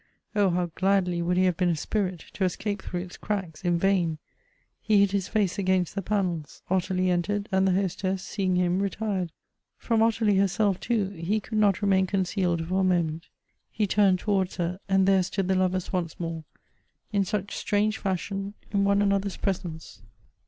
Oh, how gladly would he have been a spirit, to escape through its cracks! In vain. He hid his face against the panels. Ottilie entered, and the hostess, seeing him, retired. From Ottilie herself, too, he could not remain concealed for a moment. He turned towards her; and there stood the lovers once more, in such strange fashion, in one another's presence.